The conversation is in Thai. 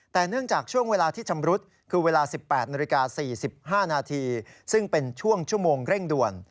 แต่เนื่องจากช่วงเวลาที่ชำรุดคือเวลา๑๘นาฬิกา๔๕นาทีซึ่งเป็นช่วงชั่วโมงเร่งด่วน